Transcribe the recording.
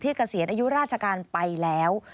เกษียณอายุราชการไปแล้ว